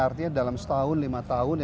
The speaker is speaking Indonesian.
artinya dalam setahun lima tahun